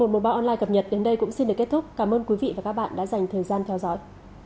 một trăm một mươi ba online cập nhật đến đây cũng xin được kết thúc cảm ơn quý vị và các bạn đã dành thời gian theo dõi